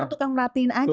tukang merhatiin aja